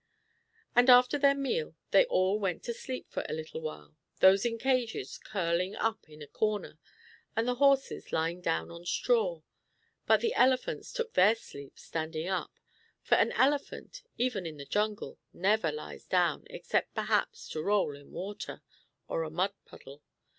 And after their meal they all went to sleep for a little while, those in cages curling up in a corner, and the horses lying down on straw, but the elephants took their sleep standing up, for an elephant, even in the jungle, never lies down except perhaps to roll in water, or a mud puddle.